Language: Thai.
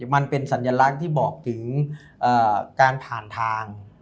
มันเป็นสัญลักษณ์ที่บอกถึงการผ่านทาง